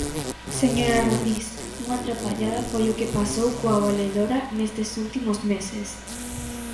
Señora Rodís, unha trapallada foi o que pasou coa valedora nestes últimos meses.